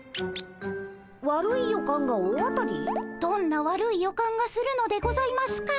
どんな悪い予感がするのでございますか？